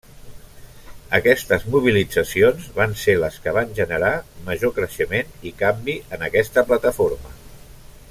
Aquestes mobilitzacions van ser les que van generar major creixement i canvi en aquesta plataforma.